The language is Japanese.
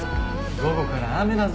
午後から雨だぜ。